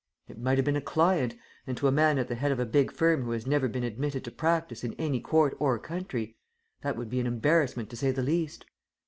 "It might have been a client, and to a man at the head of a big firm who has never been admitted to practice in any court or country, that would be an embarrassment to say the least.